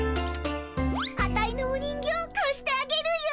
アタイのお人形かしてあげるよ。